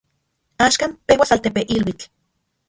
Axkan peuas altepeiluitl.